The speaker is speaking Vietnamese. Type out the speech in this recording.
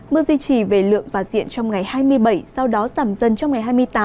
mưa duy trì về lượng và diện trong ngày hai mươi bảy sau đó giảm dần trong ngày hai mươi tám